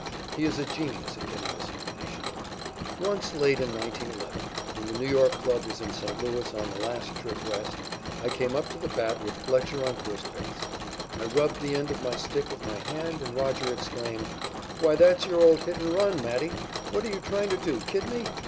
He is a genius at getting this information. Once late in 1911, when the New York club was in St. Louis on the last trip West, I came up to the bat with Fletcher on first base. I rubbed the end of my stick with my hand and Roger exclaimed: "Why, that's your old hit and run, Matty! What are you trying to do, kid me?"